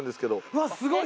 うわっすごい！